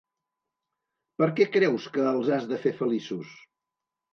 Per què creus que els has de fer feliços?